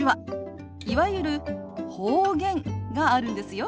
いわゆる方言があるんですよ。